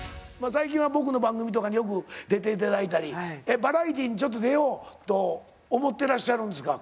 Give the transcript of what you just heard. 最近は僕の番組とかによく出て頂いたりバラエティーにちょっと出ようと思ってらっしゃるんですか？